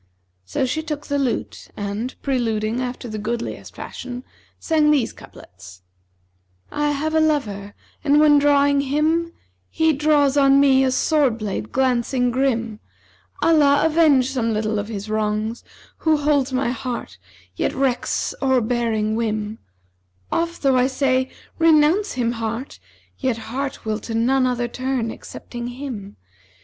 So she took the lute and, preluding after the goodliest fashion, sang these couplets, 'I have a lover and when drawing him, * He draws on me a sword blade glancing grim: Allah avenge some little of his wrongs, * Who holds my heart yet wreaks o erbearing whim Oft though I say, 'Renounce him, heart!' yet heart * Will to none other turn excepting him.